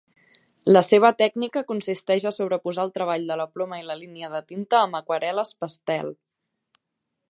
La seva tècnica consisteix a sobreposar el treball de la ploma i la línia de tinta amb aquarel·les pastel